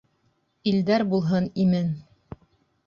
Илдәр булһын имен!